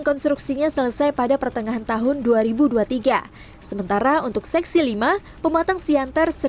konstruksinya selesai pada pertengahan tahun dua ribu dua puluh tiga sementara untuk seksi lima pematang siantar